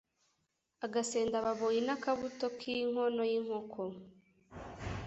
Agasendababoyi N'akabuto k'inkono y'inkoko,